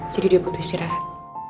jadi dia butuh istirahat